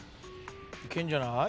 いけんじゃない？